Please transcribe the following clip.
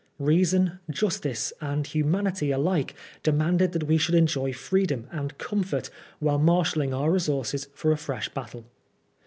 Reason, justice and humanity, alike demanded that we should enjoy freedom and comfort while marshalling our resources for a fresh, battle.